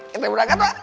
kita berangkat mak